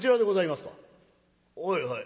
「はいはい。